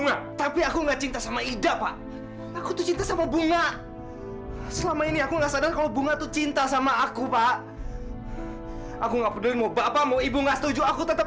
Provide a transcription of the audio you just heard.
daripada kamu seperti ini mata kamu sudah ditutup oleh ilmu hitam itu nak